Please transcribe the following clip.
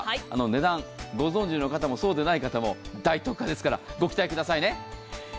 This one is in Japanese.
値段、ご存じの方もそうでない方も大特価ですからご期待くださいね。